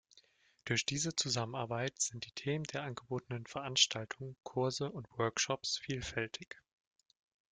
Durch diese Zusammenarbeit sind die Themen der angebotenen Veranstaltungen, Kurse und Workshops vielfältig.